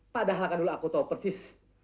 padahal kan dulu aku tahu persis